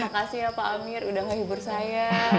makasih ya pak amir udah gak hibur saya